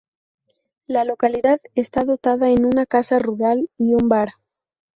La localidad está dotada de una casa rural y un bar.